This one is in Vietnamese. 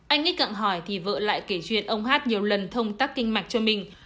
anh x cặng hỏi thì vợ lại kể chuyện ông h nhiều lần thông tắc kinh mạch cho mình